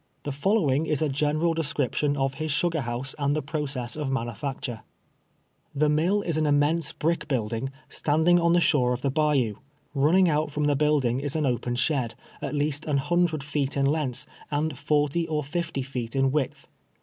The following is a general description of his sugar house and the process of manufacture : The mill is an immense brick building, standing on the shore of the bayou. Ilunning out from the build ing is an open shed, at least an hundred feet in length and forty or fifty feet in width.